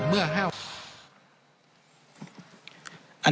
เมื่อ๕วัน